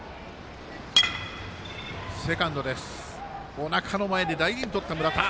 おなかの前で大事にとった村田。